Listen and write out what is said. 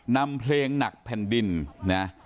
นำเพลงหนักแผ่นดินนะ